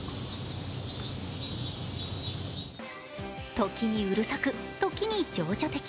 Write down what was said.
時にうるさく、時に情緒的。